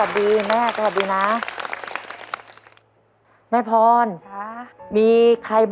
สวัสดีครับสวัสดีครับสวัสดีครับ